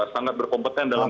sangat berkompetensi dalam